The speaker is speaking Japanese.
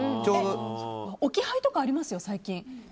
置き配とかありますよ、最近。